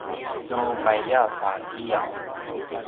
nu paiyav a kiyaw